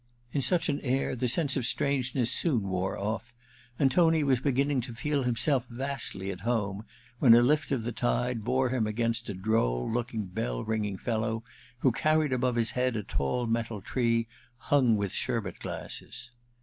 In such an air the sense of strangeness soon wore off, and Tony was beginning to feel himself vastly at home, when a lift of the tide bore him against a droll looking bell ringing fellow who carried above his head a tall metal tree hung with sherbet glasses.